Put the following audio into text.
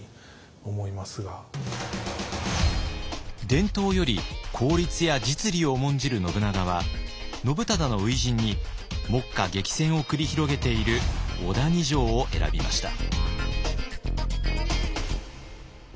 伝統より効率や実利を重んじる信長は信忠の初陣に目下激戦を繰り広げている小谷城を選びました。